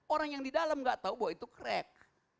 orang yang di dalam gak tahu bahwa itu crack